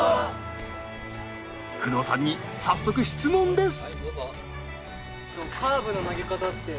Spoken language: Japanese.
工藤さんに早速質問です。